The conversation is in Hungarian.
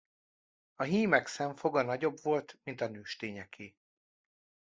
A hímek szemfoga nagyobb volt mint a nőstényeké.